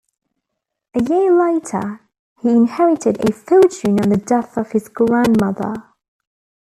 A year later he inherited a fortune on the death of his grandmother.